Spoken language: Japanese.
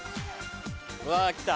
うわ来た。